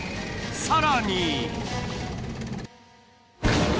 ［さらに］